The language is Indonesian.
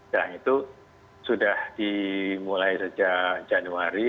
nah itu sudah dimulai sejak januari